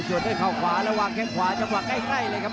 ส่วนด้วยเข้าขวาระหว่างแค่ขวาจะพากใกล้เลยครับ